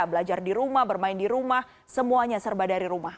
belajar di rumah bermain di rumah semuanya serba dari rumah